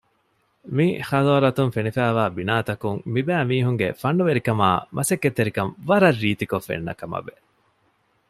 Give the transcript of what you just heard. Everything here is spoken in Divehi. މި ޙާޟާރަތުން ފެނިފައިވާ ބިނާތަކުން މި ބައި މީހުންގެ ފަންނުވެރިކަމާއ މަސައްކަތްތެރިކަން ވަރަށް ރީތިކޮށް ފެންނަކަމަށްވެ